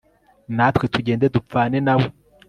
natwe tugende dupfane na we